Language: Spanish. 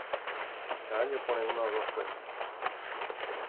Cada año ponen una o dos puestas.